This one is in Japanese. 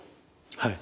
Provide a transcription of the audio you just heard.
はい。